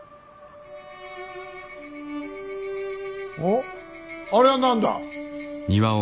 おっあれは何だ。